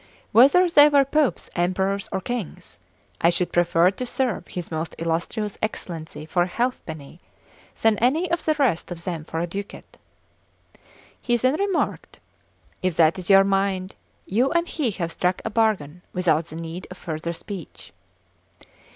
Whether they were popes, emperors, or kings, I should prefer to serve his most illustrious Excellency for a halfpenny than any of the rest of them for a ducat. He then remarked: "If that is your mind, you and he have struck a bargain without the need of further speech.